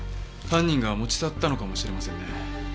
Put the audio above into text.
犯人が持ち去ったのかもしれませんね。